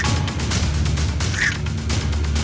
โอ้โอ้โอ้